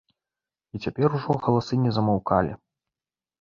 І цяпер ужо галасы не змаўкалі.